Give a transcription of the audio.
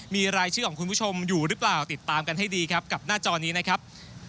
มีรายชื่อของคุณผู้ชมอยู่หรือเปล่าติดตามกันให้ดีครับกับหน้าจอนี้นะครับ